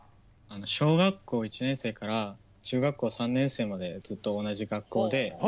小学校１年生から中学校３年生までずっと同じ学校で。